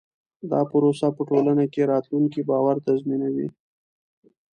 دا پروسه په ټولنه کې راتلونکی باور تضمینوي.